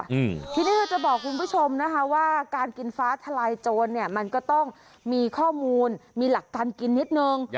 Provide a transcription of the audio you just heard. อืมทีนี้ก็จะบอกคุณผู้ชมนะคะว่าการกินฟ้าทลายโจรเนี้ยมันก็ต้องมีข้อมูลมีหลักการกินนิดนึง